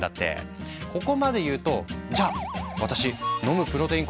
ここまで言うとじゃあ私飲むプロテイン